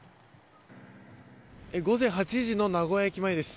午前８時の名古屋駅前です。